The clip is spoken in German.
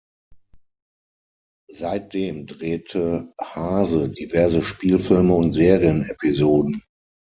Seitdem drehte Haase diverse Spielfilme und Serienepisoden.